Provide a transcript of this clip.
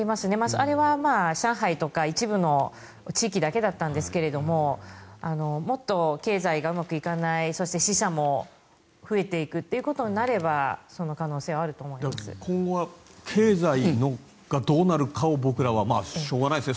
あれは上海とか一部の地域だけだったんですがもっと経済がうまくいかない死者も増えていくということになれば今後は経済がどうなるかを僕らはしょうがないですね